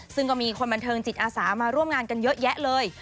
ซึ่งก็มีคนบันเทิงจิตอาสามาร่วมงานกันเยอะแยะเลย